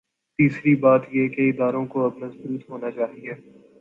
تیسری بات یہ کہ اداروں کو اب مضبوط ہو نا چاہیے۔